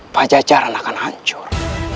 pajajaran akan hancur